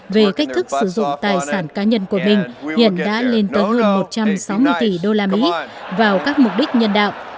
về cách thức sử dụng tài sản cá nhân của mình hiện đã lên tới hơn một trăm sáu mươi tỷ đô la mỹ vào các mục đích nhân đạo